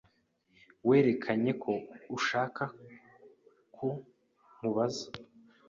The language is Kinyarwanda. Werekanye ko ushaka ko nkubaza.